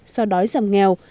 do đói giảm nghèo